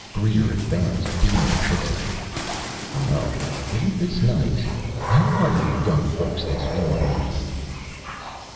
Greer advanced, beaming fixedly. "Well, isn't this nice? How are you young folks this warm evening?"